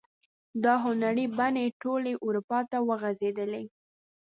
دا هنري بڼې ټولې اروپا ته وغزیدلې.